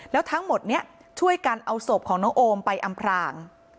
แล้วทั้งหมดนี้ช่วยกันเอาศพของน้องโอมไปอำพราง